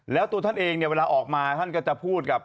แล้วตัวท่านเองเนี่ยเวลาออกมาท่านก็จะพูดกับ